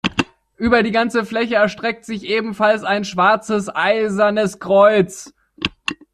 Über die ganze Fläche erstreckt sich ebenfalls ein schwarzes Eisernes Kreuz.